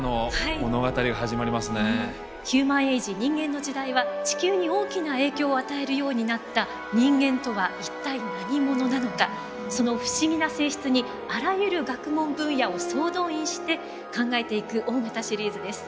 「ヒューマンエイジ人間の時代」は地球に大きな影響を与えるようになった人間とは一体何者なのかその不思議な性質にあらゆる学問分野を総動員して考えていく大型シリーズです。